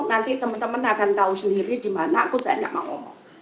nanti teman teman akan tahu sendiri di mana aku saya tidak mau ngomong